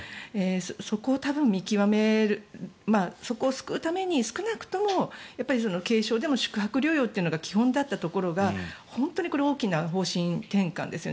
そこを多分見極めるそこを救うために少なくとも軽症でも宿泊療養というのが基本だったところが、本当にこれは大きな方針転換ですよね。